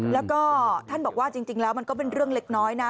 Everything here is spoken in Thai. แล้วก็ท่านบอกว่าจริงแล้วมันก็เป็นเรื่องเล็กน้อยนะ